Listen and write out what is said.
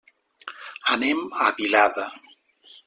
Anem a Vilada.